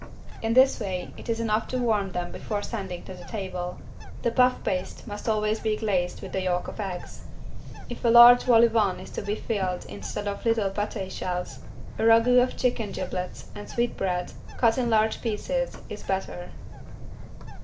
In this way it is enough to warm them before sending to the table. The puff paste must always be glazed with the yolk of eggs. If a large vol au vent is to be filled instead of little paté shells, a ragout of chicken giblets and sweetbread, cut in large pieces, is better.